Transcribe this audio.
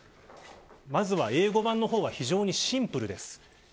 英語版の方は非常にシンプルです。